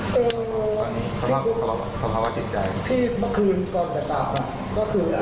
จะมาเรียกว่าเป็นใจพร้อมที่จะให้ตรวจเรื่อยแต่ถ้าสมมุติตรวจออกมาแล้วสมมุติก็เป็นใคร